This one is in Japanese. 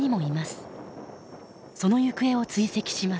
その行方を追跡します。